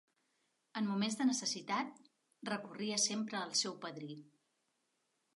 En moments de necessitat, recorria sempre al seu padrí.